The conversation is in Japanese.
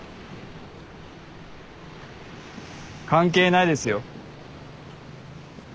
関係ないですよ。